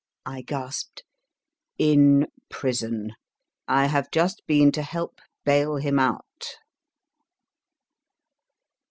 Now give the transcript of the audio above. I gasped. In prison ; I have just been to help bail him out.